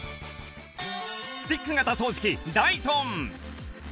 スティック型掃除機ダイソン